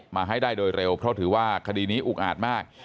มาให้ได้โดยเร็วเพราะถือว่าคดีนี้อุกอาจมาก